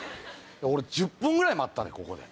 俺１０分ぐらい待ったでここで。